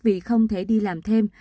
vì không thể đi làm thêm